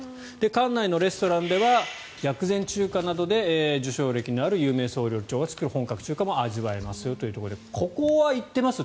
館内のレストランでは薬膳中華などで受賞歴のある有名総料理長が作る本格中華も味わえますよということでここは行ってます？